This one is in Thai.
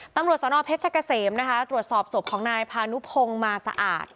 ตำรวจสนเพชรกะเสมนะคะตรวจสอบศพของนายพานุพงศ์มาสะอาด